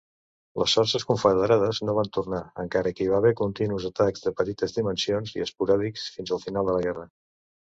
Les forces confederades no van tornar, encara que hi va haver continus atacs de petites dimensions i esporàdics fins el final de la guerra.